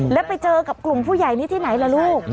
แล้วไปเจอกับกลุ่มผู้ใหญ่นี้ที่ไหนล่ะลูก